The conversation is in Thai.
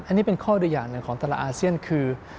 อันนี้เป็นข้ออนุญาตหนึ่งของตลาดอาเซียนคือ